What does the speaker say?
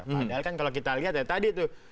padahal kan kalau kita lihat ya tadi tuh